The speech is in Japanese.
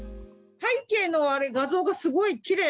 背景の画像がすごいきれい！